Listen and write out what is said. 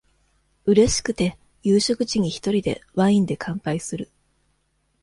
うれしくて、夕食時に一人で、ワインで乾杯する。